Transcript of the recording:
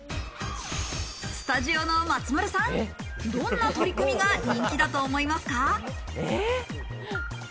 スタジオの松丸さん、どんな取り組みが人気だと思いますか？